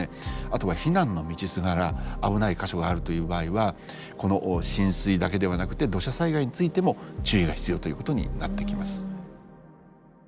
あとは避難の道すがら危ない箇所があるという場合はこの浸水だけではなくて土砂災害についても注意が必要ということになってきます。